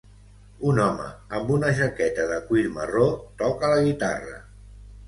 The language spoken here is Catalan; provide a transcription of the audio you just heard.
Un home amb una jaqueta de cuir marró toca la guitarra